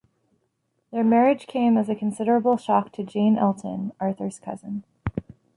Their marriage came as a considerable shock to Jane Elton, Arthur's cousin.